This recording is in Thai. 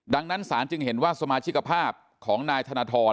ดังนั้นศาลจึงเห็นว่าสมาชิกภาพของนายธนทร